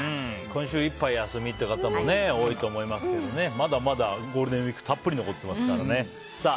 今週いっぱい休みって方も多いと思いますけどまだまだゴールデンウィークたっぷり残っていますからね。